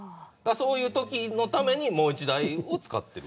そういうときのためにもう１台を使っている。